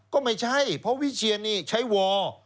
ก็ไม่ใช่เพราะวิเชียนนี่ใช้วอร์